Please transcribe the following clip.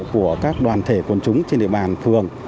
của quần chúng trên địa bàn phường